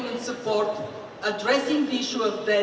mengembangkan isu kebohongan